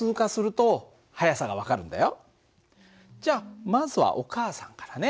じゃあまずはお母さんからね。